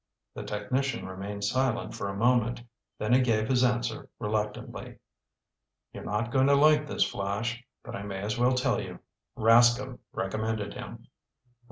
The technician remained silent for a moment. Then he gave his answer reluctantly. "You're not going to like this, Flash, but I may as well tell you. Rascomb recommended him."